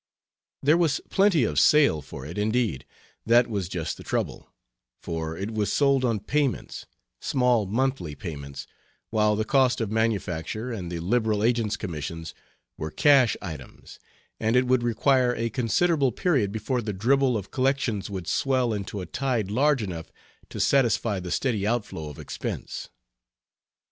There was plenty of sale for it indeed, that was just the trouble; for it was sold on payments small monthly payments while the cost of manufacture and the liberal agents' commissions were cash items, and it would require a considerable period before the dribble of collections would swell into a tide large enough to satisfy the steady outflow of expense.